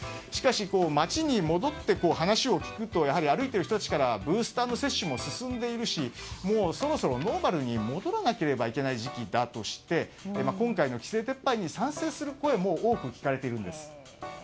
しかし街に戻って話を聞くと歩いている人たちからはブースター接種も進んでいるしもうそろそろノーマルに戻らなければいけない時期だとして今回の規制撤廃に賛成する声も多く聞かれているんです。